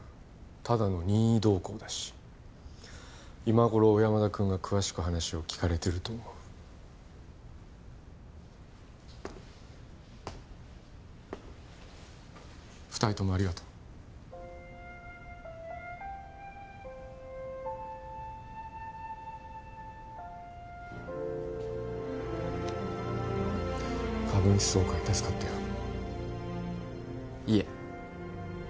ただの任意同行だし今頃小山田くんが詳しく話を聞かれてると思う２人ともありがとう株主総会助かったよいえ